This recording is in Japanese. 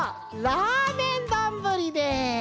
ラーメンどんぶりです！